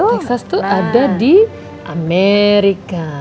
texas tuh ada di amerika